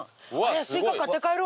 スイカ買って帰ろう私。